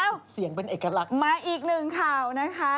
เสียงเป็นเอกลักษณ์มาอีกหนึ่งข่าวนะคะ